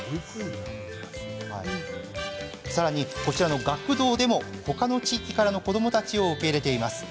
さらに、学童でも他の地域からの子どもたちを受け入れています。